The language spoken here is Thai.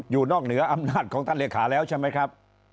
อยู่นอกเหนืออำนาจของท่านเลขาแล้วใช่ไหมครับ